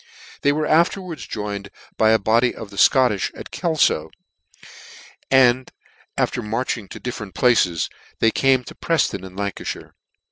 They were afterwards joined by a body of the Scotch at Kelfo, and after marching to different places, they came to Prefton in Lancalhire.